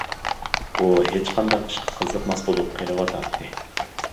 ئۇ ھېچقانداق ئىشقا قىزىقماس بولۇپ قېلىۋاتاتتى.